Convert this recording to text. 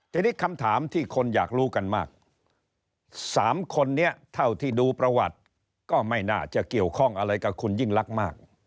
ทีนี้คำถามที่คนอยากรู้กันมาก๓คนนี้เท่าที่ดูประวัติก็ไม่น่าจะเกี่ยวข้องอะไรกับคุณยิ่งลักษณ์มาก